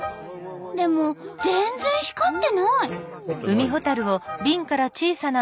でも全然光ってない！